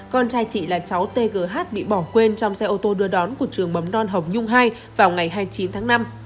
con trai chị là cháu tgh bị bỏ quên trong xe ô tô đưa đón của trường bấm non hồng nhung hai vào ngày hai mươi chín tháng năm